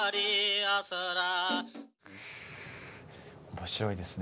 面白いですね。